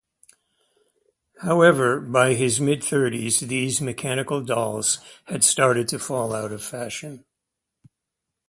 However, by his mid-thirties these mechanical dolls had started to fall out of fashion.